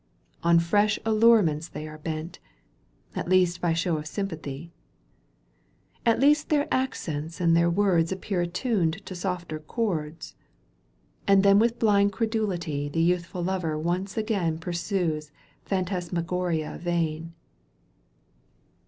79 On fresh anurements they are bent, At least by show of sympathy ; At least their accents and their words Appear attuned to softer chords ; And then with blind credulity The youthful lover once again Pursues phantasmagoria vain.